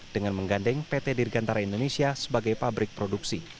dengan menggandeng pt dirgantara indonesia sebagai pabrik produksi